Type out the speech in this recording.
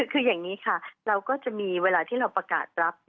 คืออย่างนี้ค่ะเราก็จะมีเวลาที่เราประกาศรับ